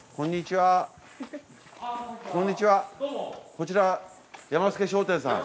こちらやま助商店さん？